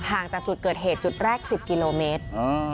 ห่างจากจุดเกิดเหตุจุดแรก๑๐กิโลเมตร